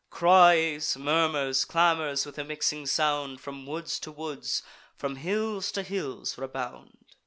Cries, murmurs, clamours, with a mixing sound, From woods to woods, from hills to hills rebound.